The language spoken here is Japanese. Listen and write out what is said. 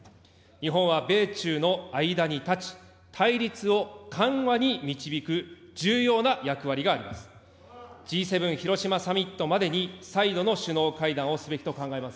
日本は米中の間に立ち、対立を緩和に導く重要な役割があります。